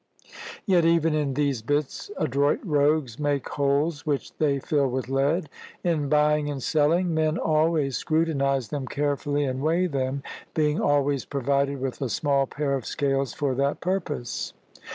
Yet even in these bits adroit rogues make holes which they fill with lead. In buying and selling, men always scrutinize them carefully and weigh them, being al ways provided with a small pair of scales for that pur pose.